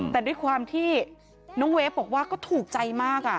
แต่ด้วยความที่น้องเวฟบอกว่าก็ถูกใจมาก